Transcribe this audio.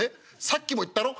さっきも言ったろ？